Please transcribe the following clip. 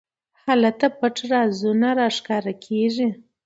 هلته پټ رازونه راښکاره کېږي.